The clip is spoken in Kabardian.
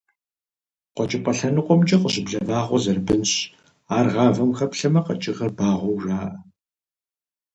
Къуэкӏыпӏэ лъэныкъуэмкӏэ къыщыблэ вагъуэ зэрыбынщ, ар гъавэм хэплъэмэ, къэкӏыгъэр багъуэу жаӏэ.